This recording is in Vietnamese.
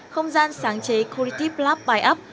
không gian sáng chế creative lab by up